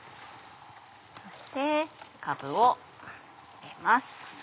そしてかぶを入れます。